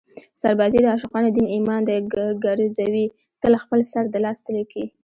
سربازي د عاشقانو دین ایمان دی ګرزوي تل خپل سر د لاس تلي کې